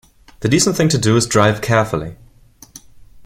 The decent thing to do is drive carefully.